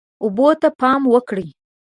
اوبه ته پام وکړئ.